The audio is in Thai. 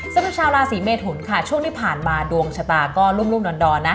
สำหรับชาวราศีเมทุนค่ะช่วงที่ผ่านมาดวงชะตาก็รุ่มดอนนะ